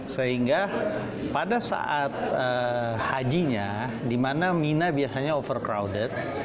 sehingga pada saat hajinya di mana mina biasanya overcrowded